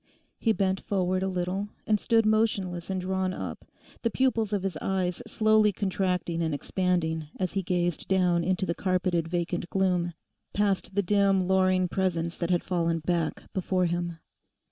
He bent forward a little, and stood motionless and drawn up, the pupils of his eyes slowly contracting and expanding as he gazed down into the carpeted vacant gloom; past the dim louring presence that had fallen back before him.